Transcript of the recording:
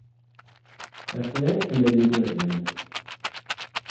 Ɣef waya ay k-ḥemmlen yigerdan.